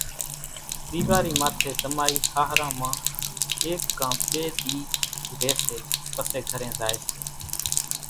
ۮيوارِي ماٿي زمائي ۿاۿران مان ايڪ ڪان ٻي ۮِي رئي سي پسي گھرين زائي سي